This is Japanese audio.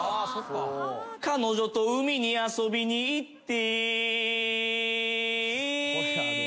「彼女と海に遊びに行って」